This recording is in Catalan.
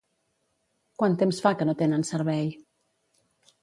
Quant temps fa que no tenen servei?